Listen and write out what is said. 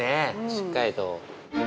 しっかりと。